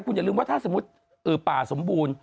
คุณอย่าลืมว่าถ้าสมมุติป่าสมบูรณ์